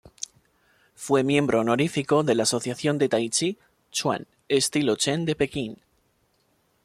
Fue miembro honorífico de la Asociación de Taichi Chuan estilo Chen de Pekín.